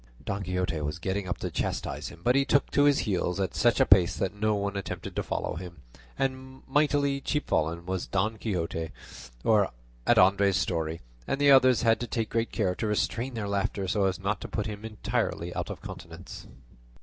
Don Quixote was getting up to chastise him, but he took to his heels at such a pace that no one attempted to follow him; and mightily chapfallen was Don Quixote at Andres' story, and the others had to take great care to restrain their laughter so as not to put him entirely out of countenance.